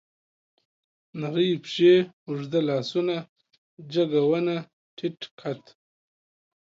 نرۍ پښې، اوږده لاسونه، جګه ونه، ټيټ قد